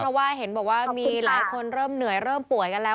เพราะว่าเห็นบอกว่ามีหลายคนเริ่มเหนื่อยเริ่มป่วยกันแล้ว